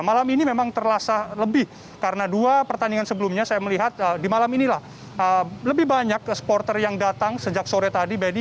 malam ini memang terasa lebih karena dua pertandingan sebelumnya saya melihat di malam inilah lebih banyak supporter yang datang sejak sore tadi benny